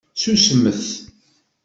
Ssusmet!